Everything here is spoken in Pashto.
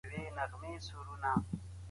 هغوی به سبا یو نوی ماشین واخلي.